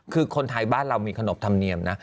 คือคนไทยบ้านเรามีขนบธรรมเนียมนะ